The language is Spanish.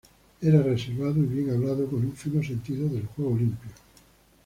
Era reservado y bien hablado, con un fino sentido del juego limpio.